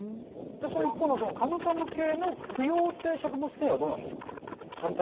でその一方のカムカム系の不溶性食物繊維はどうなんですか？